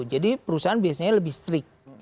perusahaan biasanya lebih strict